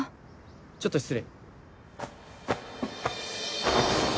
ちょっと失礼。